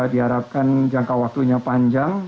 diharapkan jangka waktunya panjang